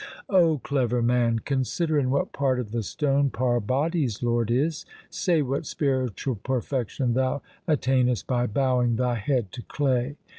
O clever man, consider in what part of the stone Parbati's lord is. Say what spiritual perfection thou attain est by bowing thy head to clay